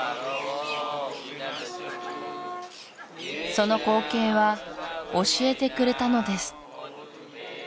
その光景は教えてくれたのです